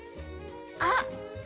あっ！